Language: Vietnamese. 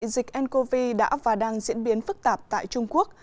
dịch ncov đã và đang diễn biến phức tạp tại trung quốc